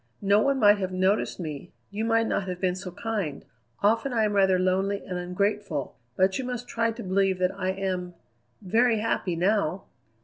No one might have noticed me; you might not have been so kind. Often I am rather lonely and ungrateful; but you must try to believe that I am very happy now."